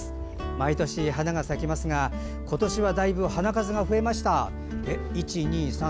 毎年花が咲きますが今年はだいぶ花数が増えました。